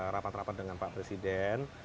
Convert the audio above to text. rapat rapat dengan pak presiden